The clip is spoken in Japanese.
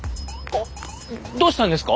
どうしたんですか？